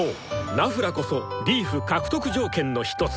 ナフラこそリーフ獲得条件の一つ！